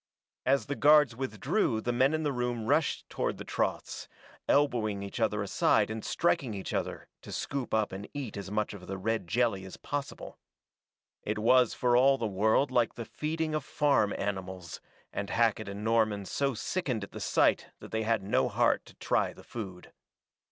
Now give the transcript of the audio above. As the guards withdrew the men in the room rushed toward the troughs, elbowing each other aside and striking each other to scoop up and eat as much of the red jelly as possible. It was for all the world like the feeding of farm animals, and Hackett and Norman so sickened at the sight that they had no heart to try the food.